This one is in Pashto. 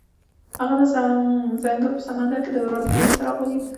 هغه د ځنګل په سمندر کې د امید څراغ ولید.